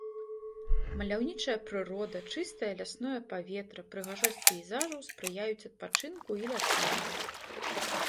Маляўнічая прырода, чыстае лясное паветра, прыгажосць пейзажаў спрыяюць адпачынку і лячэнню.